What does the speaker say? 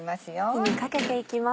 火にかけていきます。